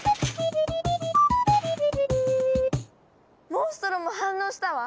モンストロも反応したわ！